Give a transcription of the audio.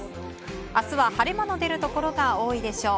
明日は晴れ間の出るところが多いでしょう。